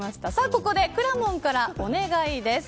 ここで、くらもんからお願いです。